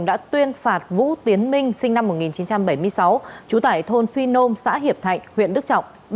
đã tuyên phạt vũ tiến minh sinh năm một nghìn chín trăm bảy mươi sáu trú tại thôn phi nôm xã hiệp thạnh huyện đức trọng